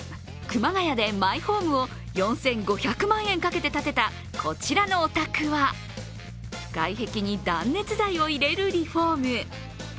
熊谷で、マイホームを４５００万円かけて建てたこちらのお宅は外壁に断熱材を入れるリフォーム。